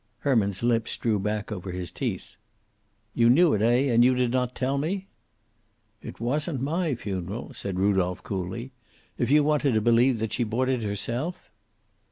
Herman's lips drew back over his teeth. "You knew it, eh? And you did not tell me?" "It wasn't my funeral," said Rudolph coolly. "If you wanted to believe she bought it herself?"